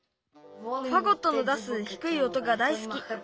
ファゴットの出すひくい音が大すき。